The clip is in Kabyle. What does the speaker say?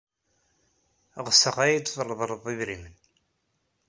Ɣseɣ ad iyi-d-treḍled idrimen.